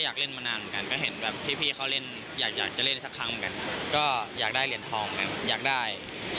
อยากได้รายการนี้และพาทีมขวาเหนียนทองให้ได้